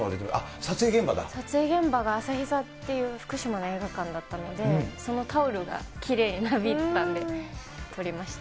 撮影現場が朝日座っていう福島の映画館だったので、そのタオルがきれいになびいてたんで、撮りました。